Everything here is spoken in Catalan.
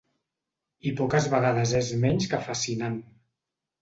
I poques vegades és menys que fascinant.